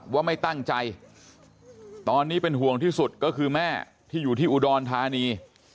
ว่าไม่ตั้งใจตอนนี้เป็นห่วงที่สุดก็คือแม่ที่อยู่ที่อุดรธานี